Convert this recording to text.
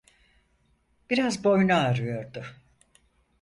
Biraz boynu ağrıyordu.